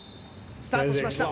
スタートしました。